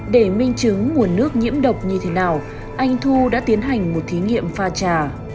để minh chứng nguồn nước nhiễm độc như thế nào anh thu đã tiến hành một thí nghiệm pha trà